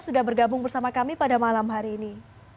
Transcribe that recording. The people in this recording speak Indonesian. sudah bergabung bersama kami pada malam hari ini